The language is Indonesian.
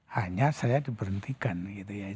hanya saya diberhentikan gitu ya